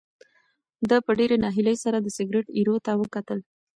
ده په ډېرې ناهیلۍ سره د سګرټ ایرو ته وکتل.